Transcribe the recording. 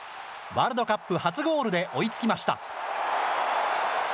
ワールドカップ初ゴールで追いつきました。